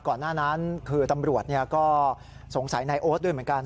หน้านั้นคือตำรวจก็สงสัยนายโอ๊ตด้วยเหมือนกัน